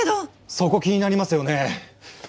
そこ気になりますよね？